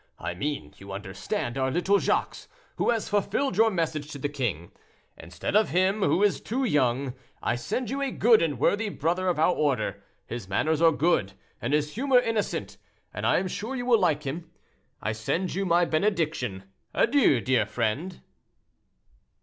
I mean, you understand, our little Jacques, who has fulfilled your message to the king. Instead of him, who is too young, I send you a good and worthy brother of our order; his manners are good, and his humor innocent, and I am sure you will like him. I send you my benediction. Adieu, dear friend."